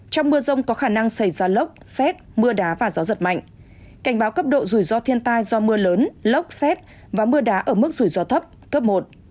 trong mưa rông có khả năng xảy ra lốc xét mưa đá và gió giật mạnh cảnh báo cấp độ rủi ro thiên tai do mưa lớn lốc xét và mưa đá ở mức rủi ro thấp cấp một